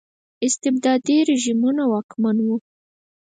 استبدادي رژیمونه واکمن وو.